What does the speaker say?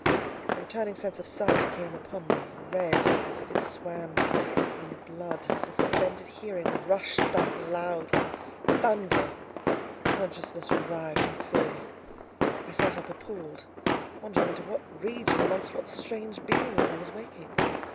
The returning sense of sight came upon me, red, as if it swam in blood; suspended hearing rushed back loud, like thunder; consciousness revived in fear: I sat up appalled, wondering into what region, amongst what strange beings I was waking.